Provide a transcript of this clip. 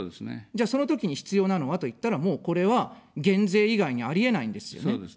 じゃあ、そのときに必要なのはといったら、もう、これは減税以外にありえないんですよね。